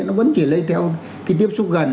nó vẫn chỉ lấy theo cái tiếp xúc gần